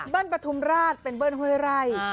ประทุมราชเป็นเบิ้ลห้วยไร่